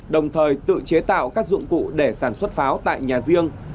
đồng thời tự chế tạo các dụng cụ để sản xuất pháo tại nhà riêng